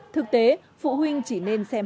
thực tế phụ huynh chỉ nên xem